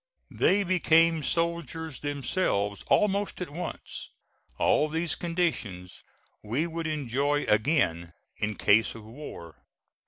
They became soldiers themselves almost at once. All these conditions we would enjoy again in case of war.